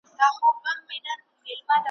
لکه د دین څخه چي یې `